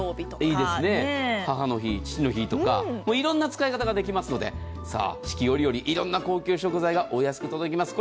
母の日、父の日とかいろんな使い方ができますので四季折々いろんな高級食材がお安く届きます。